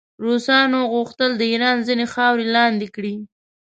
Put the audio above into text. روسانو غوښتل د ایران ځینې خاورې لاندې کړي.